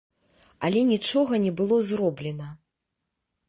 Але нічога не было зроблена.